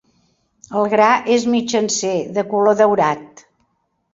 El gra és mitjancer, de color daurat.